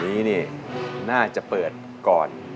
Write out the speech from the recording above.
แผ่นนี้น่าจะเปิดก่อน